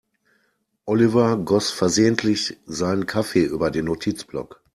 Oliver goss versehentlich seinen Kaffee über den Notizblock.